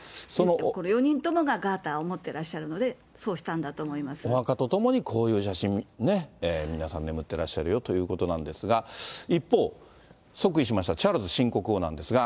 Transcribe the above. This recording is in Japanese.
これ、４人ともがガーターを持ってらっしゃるので、そうしたんだと思いお墓とともにこういう写真、皆さん眠ってらっしゃるよということなんですが、一方、即位しました、チャールズ新国王なんですが。